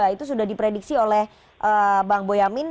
itu sudah diprediksi oleh bang boyamin